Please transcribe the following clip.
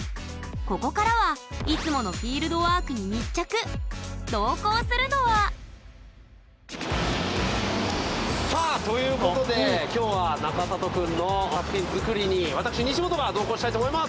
ここからはいつもの同行するのはさあということで今日は中里くんの作品作りに私西本が同行したいと思います！